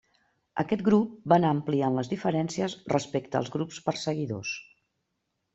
Aquest grup va anar ampliant les diferències respecte als grups perseguidors.